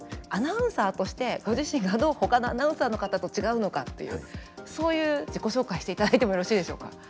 アナウンサーとしてご自身がどうほかのアナウンサーの方と違うのかというそういう自己紹介していただいてもよろしいでしょうか。